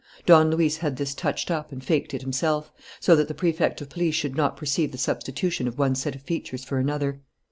Don Luis had this touched up and faked it himself, so that the Prefect of Police should not perceive the substitution of one set of features for another.